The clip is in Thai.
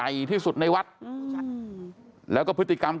เมื่อยครับเมื่อยครับ